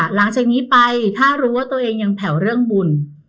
หลังจากนี้ไปถ้ารู้ว่าตัวเองยังแผ่วเรื่องบุญ